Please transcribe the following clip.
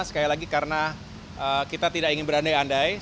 sekali lagi karena kita tidak ingin berandai andai